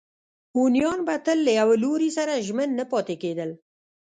هونیان به تل له یوه لوري سره ژمن نه پاتې کېدل.